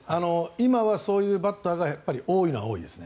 今はそういうバッターが多いのは多いですね。